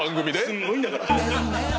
すごいんだから。